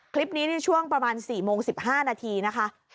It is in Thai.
คลิปนี้นี่ช่วงประมาณ๔โมง๑๕นาทีนะคะ